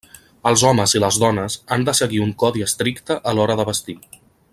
Els homes i les dones han de seguir un codi estricte a l'hora de vestir.